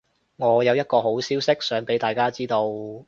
我有一個好消息想畀大家知道